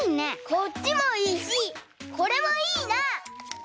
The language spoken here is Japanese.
こっちもいいしこれもいいな。